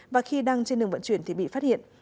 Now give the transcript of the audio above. và khi đang trên đường vận chuyển thì bị phát hiện